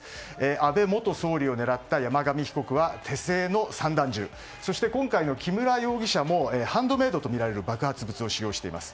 安倍元総理を狙った山上被告は手製の散弾銃そして今回の木村容疑者もハンドメイドとみられる爆発物を使用しています。